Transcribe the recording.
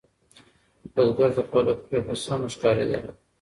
بزګر ته خپله پرېکړه سمه ښکارېدله.